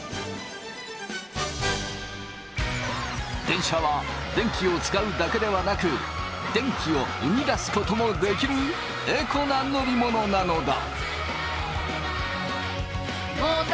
電車は電気を使うだけではなく電気を生み出すこともできるエコな乗り物なのだ。